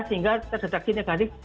sehingga terdeteksi negatif